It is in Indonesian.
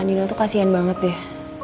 andino tuh kasihan banget deh